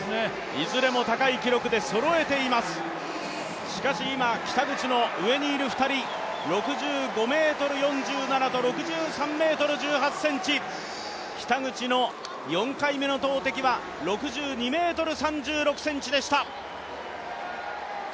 いずれも高い記録でそろえています、しかし、今、北口の上にいる２人６５ｍ４７ｃｍと６３ｍ１８ｃｍ、北口の４回目の投てきは６２ｍ３６ｃｍでした。